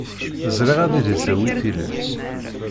Ẓriɣ adlis-a wi t-ilan.